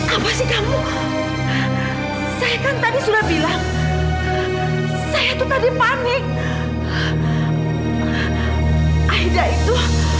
apa sih kamu saya kan tadi sudah bilang saya itu tadi panik aida itu